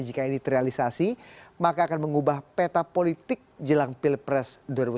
jika ini terrealisasi maka akan mengubah peta politik jelang pilpres dua ribu sembilan belas